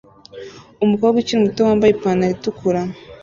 Umukobwa ukiri muto wambaye ipantaro itukura